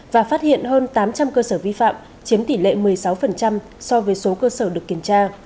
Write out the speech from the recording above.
và phát hiện hơn tám trăm linh cơ sở vi phạm chiếm tỷ lệ một mươi sáu so với số cơ sở được kiểm tra